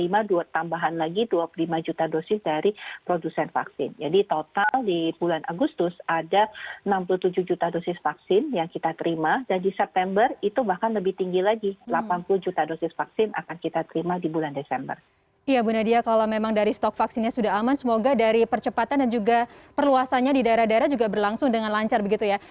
iya bu nadia kalau memang dari stok vaksinnya sudah aman semoga dari percepatan dan juga perluasannya di daerah daerah juga berlangsung dengan lancar begitu ya